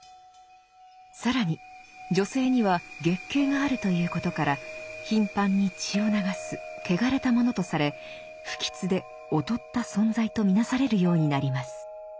更に女性には月経があるということから頻繁に血を流すけがれたものとされ不吉で劣った存在と見なされるようになります。